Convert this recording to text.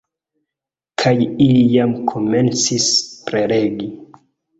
Kaj ili jam komencis prelegi